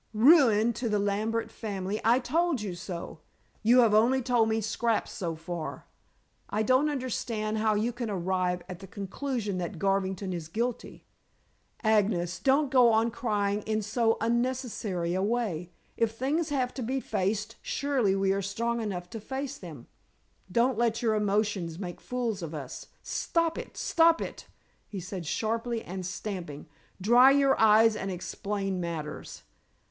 "Ruin to the Lambert family. I told you so." "You have only told me scraps so far. I don't understand how you can arrive at the conclusion that Garvington is guilty. Agnes, don't go on crying in so unnecessary a way. If things have to be faced, surely we are strong enough to face them. Don't let our emotions make fools of us. Stop it! Stop it!" he said sharply and stamping. "Dry your eyes and explain matters."